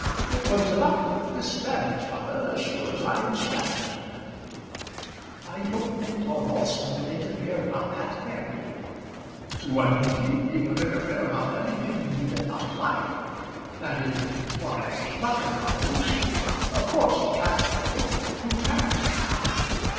"It was about this marriage, mother, as sure as I am standing here." "I don't think Lord Alston would interfere about that, Perry." "Wouldn't he? He would interfere about anything he did not like; that is, as far as the pluck of it goes. Of course he can't like it. Who can?"